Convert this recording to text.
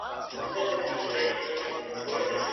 د بې نورمۍ حالت موقتي کيدای سي.